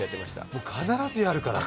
もう必ずやるから。